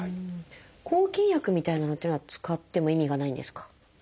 抗菌薬みたいなのっていうのは使っても意味がないんですか？